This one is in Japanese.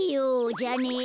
じゃあね。